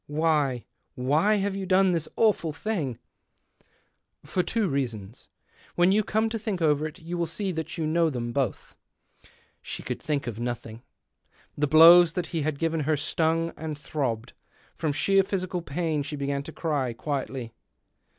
" Why — why have you done this awful thino ?" 150 THE OCTAVE OF CLAUDIUS. " For two reasons. When you come to tliink over it, you will see that you know them both." She could think of nothing. The blows that he had given her stung and throbbed ; from sheer physical pain she began to cry — quietly.